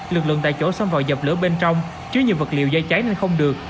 lực lượng tại chỗ xâm vào dập lửa bên trong chứa nhiều vật liệu dây cháy nên không được